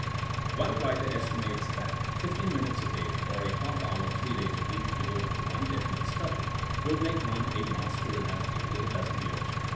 One writer estimates that *' fifteen minutes a day or a half hour three days a week devoted to one definite study will make one a master in that field in a dozen years.